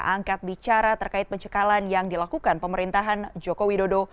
angkat bicara terkait pencekalan yang dilakukan pemerintahan joko widodo